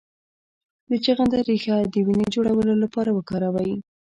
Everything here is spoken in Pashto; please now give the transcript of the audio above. د چغندر ریښه د وینې د جوړولو لپاره وکاروئ